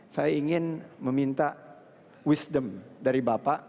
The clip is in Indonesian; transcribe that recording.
saya ingin meminta wisdom dari bapak